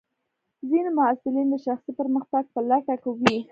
ځینې محصلین د شخصي پرمختګ په لټه کې وي.